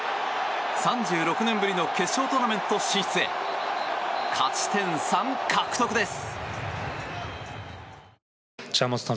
３６年ぶりの決勝トーナメント進出へ勝ち点３獲得です。